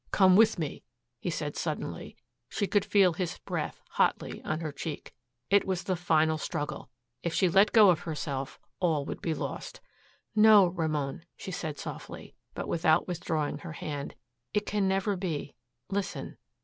"Come with me," he asked suddenly. She could feel his breath, hotly, on her cheek. It was the final struggle. If she let go of herself, all would be lost. "No, Ramon," she said softly, but without withdrawing her hand. "It can never be listen."